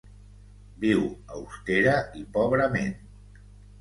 Viu austera i pobrament.